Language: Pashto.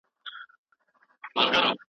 دا کتاب د ادبیاتو د نړۍ یو بې مثاله اثر دی.